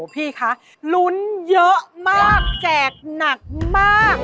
พี่คะลุ้นเยอะมากแจกหนักมาก